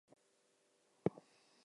Kuha Mo!